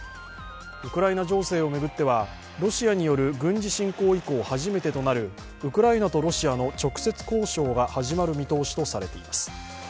ウクライナ情勢を巡ってはロシアによる軍事侵攻以降初めてとなるウクライナとロシアの直接交渉が始まる見通しとされています。